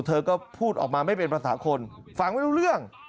เธอก็พูดออกมาไม่เป็นภาษาคนฟังไม่รู้เรื่อง